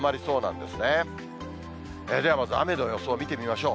ではまず雨の予想見てみましょう。